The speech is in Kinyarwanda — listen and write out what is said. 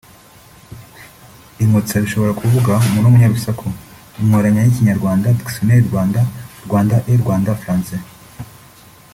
Inkotsa bishobora kuvuga « umuntu w’umunyarusaku » [Inkoranya y’ ikinyarwaanda – Dictionnaire rwanda-rwanda et rwanda-français